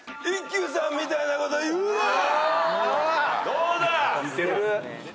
どうだ？